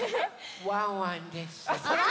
ワンワンです。